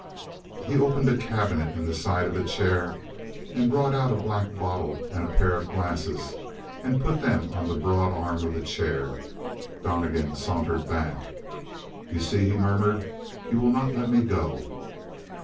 He opened a cabinet in the side of the chair and brought out a black bottle and a pair of glasses and put them on the broad arm of the chair. Donnegan sauntered back. "You see," he murmured, "you will not let me go."